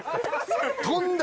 飛んだ。